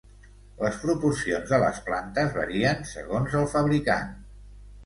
Les proporcions de les plantes varien segons el fabricant.